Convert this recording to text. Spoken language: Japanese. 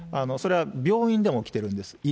それは病院でも起きてるんです。